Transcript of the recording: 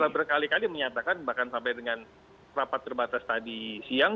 berkali kali menyatakan bahkan sampai dengan rapat terbatas tadi siang